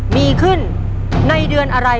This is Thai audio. มีขึ้นในเดือนอะไร